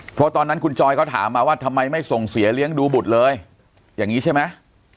เพราะตอนนั้นคุณจอยเขาถามมาว่าทำไมไม่ส่งเสียเลี้ยงดูบุตรเลยอย่างนี้ใช่ไหม